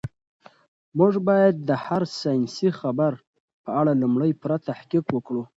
موږ باید د هر ساینسي خبر په اړه لومړی پوره تحقیق وکړو.